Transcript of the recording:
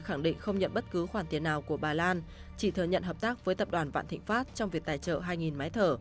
khẳng định không nhận bất cứ khoản tiền nào của bà lan chỉ thừa nhận hợp tác với tập đoàn vạn thịnh pháp trong việc tài trợ hai máy thở